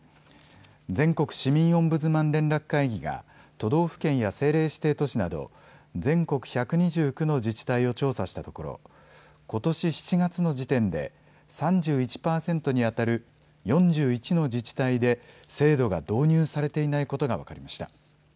全国市民オンブズマン連絡会議が、都道府県や政令指定都市など、全国１２９の自治体を調査したところ、ことし７月の時点で、３１％に当たる４１の自治体で、制度が導入されていないことが分かりました。